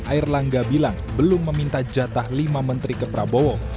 air langga bilang belum meminta jatah lima menteri ke prabowo